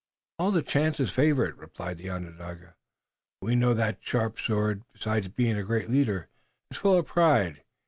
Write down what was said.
"All the chances favor it," replied the Onondaga. "We know that Sharp Sword, besides being a great leader, is full of pride.